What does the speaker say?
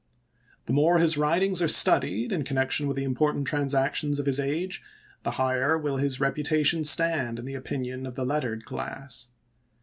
The more his writings are studied in connection with the important transactions of his age the higher will his reputation stand in the opinion of the lettered class.